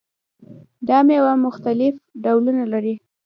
دا میوه مختلف ډولونه لري.